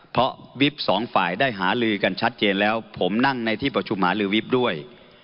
เพราะวิบสองฝ่ายได้หาลือกันชัดเจนแล้วผมนั่งในที่ประชุมหาลือวิบด้วย